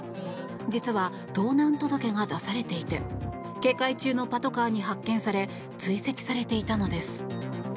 実は盗難届が出されていて警戒中のパトカーに発見され追跡されていたのです。